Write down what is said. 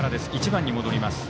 １番に戻ります。